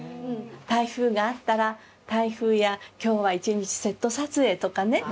台風があったら「台風や今日は一日セット撮影」とかね。